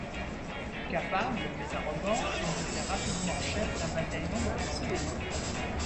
Capable mais arrogant, il devient rapidement chef d'un bataillon de mercenaires.